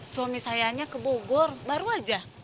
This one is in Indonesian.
suami sayanya ke bogor baru aja